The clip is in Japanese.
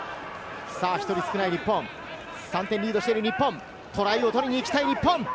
１人少ない日本、３点リードしている日本、トライを取りに行きたい日本。